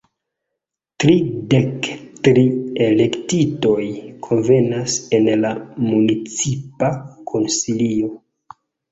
Tridek tri elektitoj kunvenas en la Municipa Konsilio.